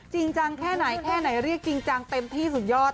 จริงจังแค่ไหนแค่ไหนเรียกจริงจังเต็มที่สุดยอด